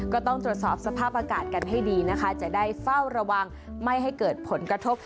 ก็ต้องตรวจสอบสภาพอากาศกันให้ดีนะคะจะได้เฝ้าระวังไม่ให้เกิดผลกระทบ